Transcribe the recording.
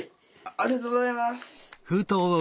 ありがとうございます。